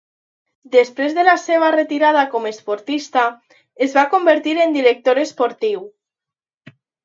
Després de la seva retirada com esportista, es va convertir en director esportiu.